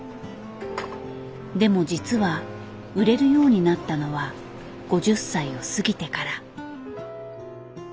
でも実は売れるようになったのは５０歳を過ぎてから。